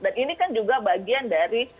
dan ini kan juga bagian dari